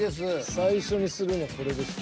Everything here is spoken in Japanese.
最初にするのこれですよ。